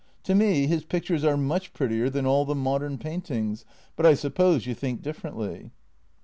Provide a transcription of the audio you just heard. To me his pictures are much prettier than all the modern paintings, but I suppose you think differ ently?